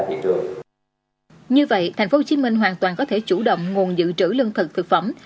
thị trường như vậy thành phố hồ chí minh hoàn toàn có thể chủ động nguồn dự trữ lương thực thực phẩm